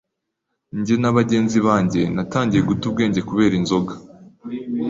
njye na bagenzi banjye natangiye guta ubwenge kubera inzoga